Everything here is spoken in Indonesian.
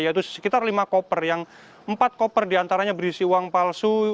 yaitu sekitar lima koper yang empat koper diantaranya berisi uang palsu